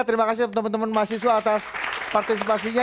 terima kasih teman teman mahasiswa atas partisipasinya